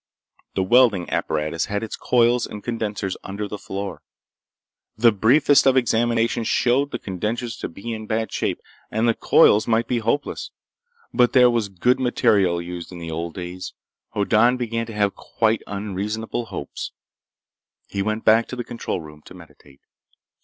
The welding apparatus had its coils and condensers under the floor. The briefest of examinations showed the condensers to be in bad shape, and the coils might be hopeless. But there was good material used in the old days. Hoddan began to have quite unreasonable hopes. He went back to the control room to meditate.